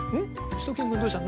しゅと犬くんどうした？